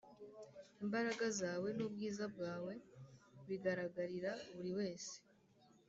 imbaraga zawe n ‘ubwiza bwawe bigaragarira buriwese.